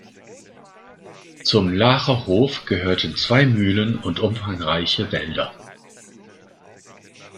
Zum „Laacher Hof“ gehörten zwei Mühlen und umfangreiche Wälder.